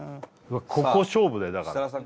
ここ勝負だよだから設楽さん